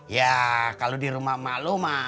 ya kalau di rumah emak lo mah